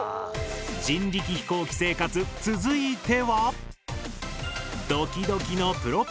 人力飛行機生活続いては。